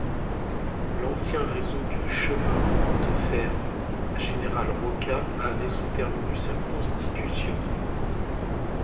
L'ancien réseau du chemin de fer General Roca avait son terminus à Constitución.